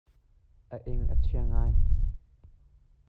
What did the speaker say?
A ing a chia ngai.